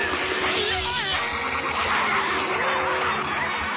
うわ！